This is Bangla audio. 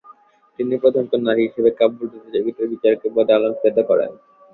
তিনি প্রথম কোন নারী হিসেবে কাব্যপ্রতিযোগীতার বিচারকের পদ অলংকৃত করেন।